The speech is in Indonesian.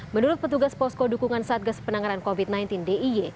menurut petugas posko dukungan satgas penanganan covid sembilan belas d i y